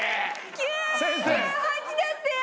９８だってよ！